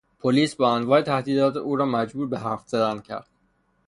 پلیس با انواع تهدیدات او را مجبور به حرف زدن کرد.